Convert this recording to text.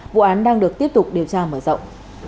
vụ án đang được tiếp tục điều tra mở rộng